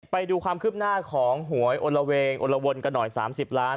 ไปดูความคืบหน้าของหวยโอละเวงอลวนกันหน่อย๓๐ล้าน